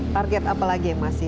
target apa lagi yang masih